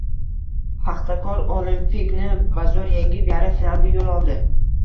“Paxtakor” “Olimpik”ni bazo‘r yengib, yarim finalga yo‘l oldi